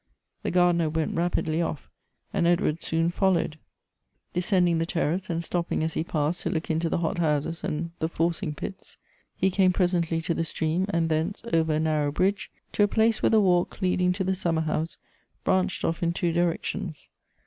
The gardener went rapidly off, and Edward soon fol lowed. Descending the terrace, and stopping as he passed to look into the hot houses and the forcing pits, he came presently to the stream, and thence, over a narrow bridge, to a place where the walk leading to the summer house branched off in two directions.